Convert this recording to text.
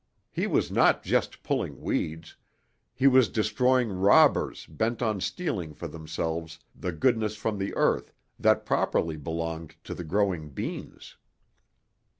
He was not just pulling weeds; he was destroying robbers bent on stealing for themselves the goodness from the earth that properly belonged to the growing beans.